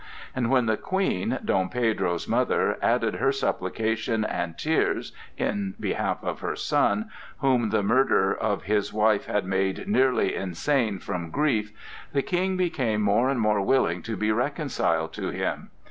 And when the Queen, Dom Pedro's mother, added her supplications and tears in behalf of her son, whom the murder of his wife had made nearly insane from grief, the King became more and more willing to be reconciled to him.